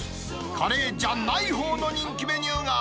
カレーじゃないほうの人気メニューが。